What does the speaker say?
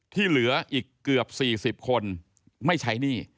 ที่เหลืออีกเกือบ๔๐คนไม่ใช้หนี้